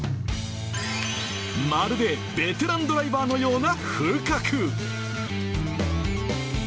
まるでベテランドライバーのような風格。